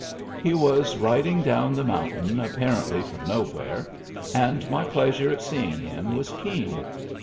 He was riding down the mountain apparently from no where, and my pleasure at seeing him was keen.